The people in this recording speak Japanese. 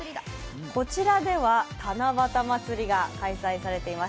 こちらでは七夕まつりが開催されています。